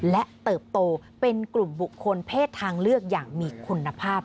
และเติบโตเป็นกลุ่มบุคคลเพศทางเลือกอย่างมีคุณภาพ